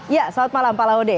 ya selamat malam pak laude